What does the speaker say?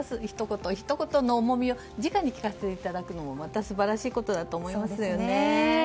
ひと言、ひと言の重みを直に聞かせていただくのも実に素晴らしいことだと思いますよね。